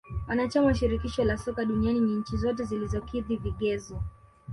Wanachama wa shirikisho la soka duniani ni nchi zote zilizokidhi vigezo